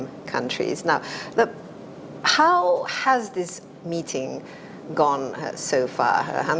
bagaimana perjumpaan ini sampai sekarang